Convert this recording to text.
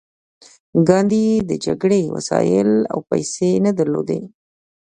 ګاندي د جګړې وسایل او پیسې نه درلودې